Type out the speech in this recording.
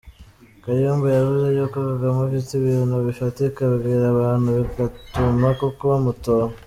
Kayumba yavuze yuko Kagame afite ibintu bifatika abwira abantu bigatuma koko bamutora.